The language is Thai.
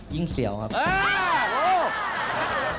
ยิ่งเสียวครับ